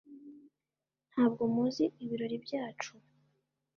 Nta bwo muzi ibirori byacu?